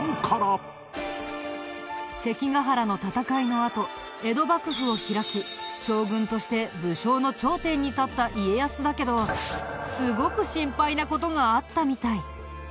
関ヶ原の戦いのあと江戸幕府を開き将軍として武将の頂点に立った家康だけどすごく心配な事があったみたい。